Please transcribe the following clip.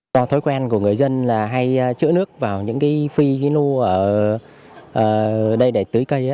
do thói quen của người dân hay chữa nước vào những phi lưu để tưới cây